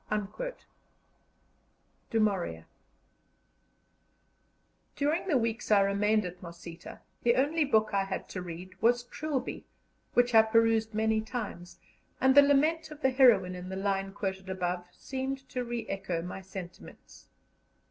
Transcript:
DU MAURIER. During the weeks I remained at Mosita, the only book I had to read was "Trilby," which I perused many times, and the lament of the heroine in the line quoted above seemed to re echo my sentiments.